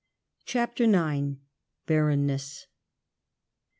61 CHAPTER IX. Barrenness.